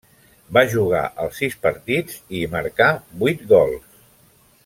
Va jugar els sis partits, i hi marcà vuit gols.